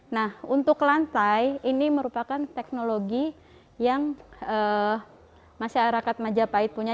nah untuk lantai ini merupakan teknologi yang masyarakat majapahit punya